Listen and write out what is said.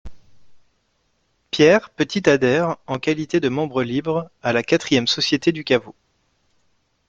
Pierre Petit adhère, en qualité de membre libre, à la quatrième Société du Caveau.